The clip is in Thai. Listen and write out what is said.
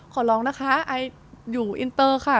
ขอร้องนะคะไออยู่อินเตอร์ค่ะ